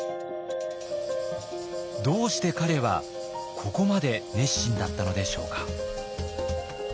どうして彼はここまで熱心だったのでしょうか？